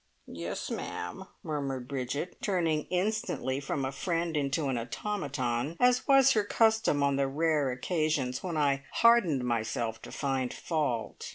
"Yes, ma'am," murmured Bridget, turning instantly from a friend into an automaton, as was her custom on the rare occasions when I hardened myself to find fault.